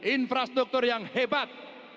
infrastruktur yang hebat